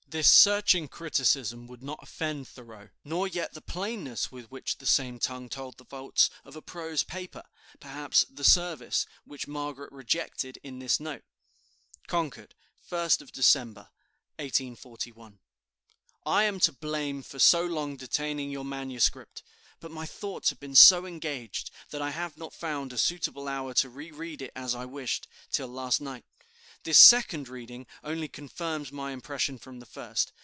This searching criticism would not offend Thoreau; nor yet the plainness with which the same tongue told the faults of a prose paper perhaps "The Service," which Margaret rejected in this note: "[CONCORD] 1st December (1841). "I am to blame for so long detaining your manuscript. But my thoughts have been so engaged that I have not found a suitable hour to reread it as I wished, till last night. This second reading only confirms my impression from the first.